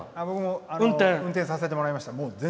僕も運転させてもらいました。